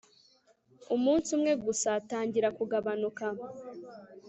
umunsi umwe gusa tangira kugabanuka